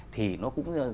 thì nó cũng